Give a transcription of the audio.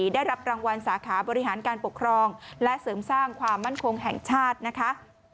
ได้รับรางวัลสาขาบริหารการปกครองและเสริมสร้างความมั่นคงแห่งชาตินะคะ